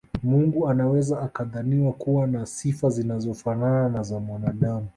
Mungu anaweza akadhaniwa kuwa na sifa zinazofanana na za mwanaadamu